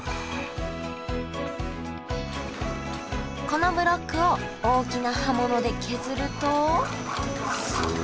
このブロックを大きな刃物で削るとすごい。